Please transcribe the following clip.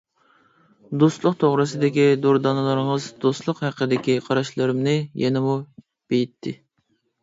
دوستلۇق توغرىسىدىكى دۇردانىلىرىڭىز، دوستلۇق ھەققىدىكى قاراشلىرىمنى يەنىمۇ بېيىتتى.